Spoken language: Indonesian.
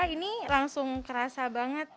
ini langsung kerasa banget